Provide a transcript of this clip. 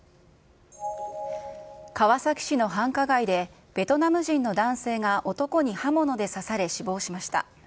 川崎市の繁華街で、ベトナム人の男性が男に刃物で刺され死亡しました。